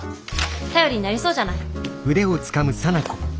頼りになりそうじゃない。